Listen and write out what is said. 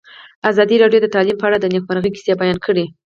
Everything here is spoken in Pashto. ازادي راډیو د تعلیم په اړه د نېکمرغۍ کیسې بیان کړې.